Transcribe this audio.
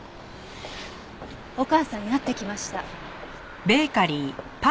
お母さんに会ってきました。